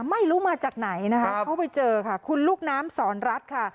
ไม่รู้มาจากไหนนะคะเขาไปเจอค่ะคุณลูกน้ำสอนรัฐค่ะ